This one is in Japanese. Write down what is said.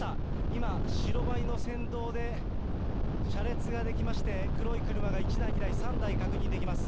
今、白バイの先導で車列が出来まして、黒い車が１台、２台、３台、確認できます。